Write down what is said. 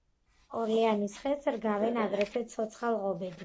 ორლეანის ხეს რგავენ აგრეთვე ცოცხალ ღობედ.